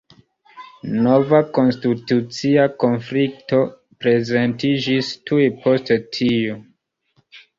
Nova konstitucia konflikto prezentiĝis tuj post tio.